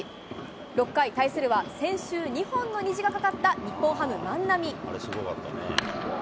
６回、対するは、先週、２本の虹がかかった日本ハム、万波。